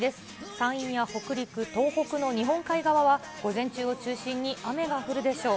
山陰や北陸、東北の日本海側は、午前中を中心に雨が降るでしょう。